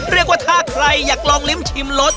เรียกว่าถ้าใครอยากลองลิ้มชิมรส